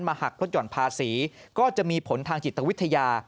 หักลดห่อนภาษีก็จะมีผลทางจิตวิทยา